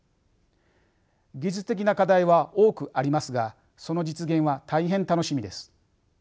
技術的な課題は多くありますがその実現は大変楽しみです。